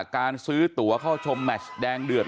การซื้อตัวเข้าชมแมชแดงเดือด